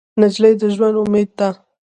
نجلۍ د ژونده امید ده.